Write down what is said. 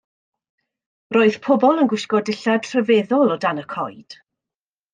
Roedd pobl yn gwisgo dillad rhyfeddol o dan y coed.